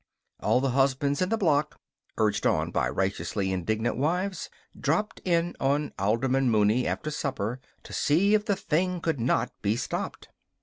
All the husbands in the block, urged on by righteously indignant wives, dropped in on Alderman Mooney after supper to see if the thing could not be stopped.